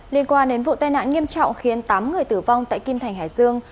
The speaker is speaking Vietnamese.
liên quan đến vụ tai nạn nghiêm trọng khiến tám người tử vong tại kim thành hải dương